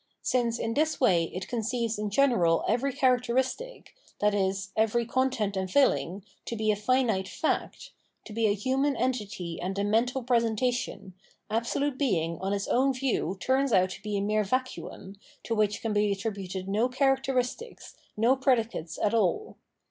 Since in this way it conceives in general every characteristic, i.e. every content and filling, to be a finite fact, to be a human entity and a mental presentation, absolute Being on its view turns out to be a mere vacuum, to which can be attributed no characteristics, no predicates at all.